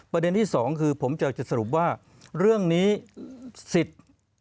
ประเด็นที่สองคือผมอยากจะสรุปว่าเรื่องนี้สิทธิ์